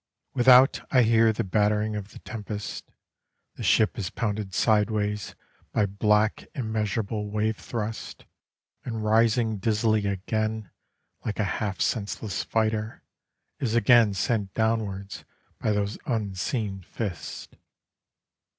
Without I hear the battering of the tempest, The ship is pounded sideways by black immeasurable wave thrusts, And rising dizzily again, like a half senseless fighter, Is again sent downwards, by those unseen fists.